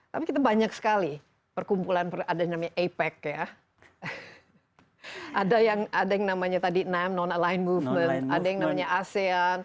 tapi kita banyak sekali perkumpulan ada yang namanya apec ya ada yang namanya tadi name non align movement ada yang namanya asean